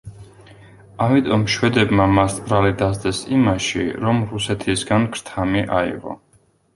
ამიტომ შვედებმა მას ბრალი დასდეს იმაში, რომ რუსეთისგან ქრთამი აიღო.